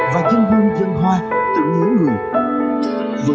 và dân hương dân hoa tự nhớ người